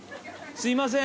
すいません